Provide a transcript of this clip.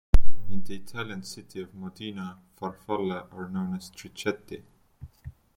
In the Italian city of Modena, farfalle are known as "strichetti".